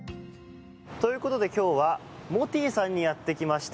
ということで今日はモティさんにやってきました。